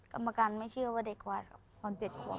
กรรมการไม่เชื่อว่าเด็กวาดครับตอนเจ็ดขวบ